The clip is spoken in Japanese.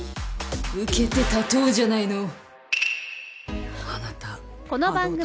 受けて立とうじゃないの。